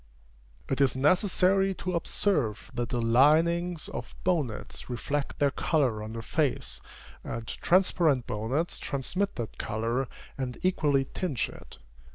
It is necessary to observe that the linings of bonnets reflect their color on the face, and transparent bonnets transmit that color, and equally tinge it.